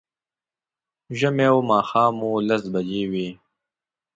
ژمی و، ماښام و، لس بجې وې